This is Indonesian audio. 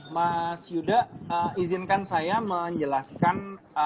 mas yuda izinkan saya menjelaskan